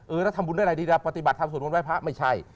แล้วทำบุญด้วยอะไรดีนะปฏิบัติทำสวดมนต์ไว้พระไม่ใช่